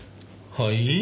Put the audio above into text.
はい？